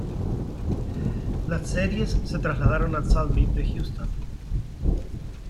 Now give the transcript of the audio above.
Las series se trasladaron al Summit de Houston.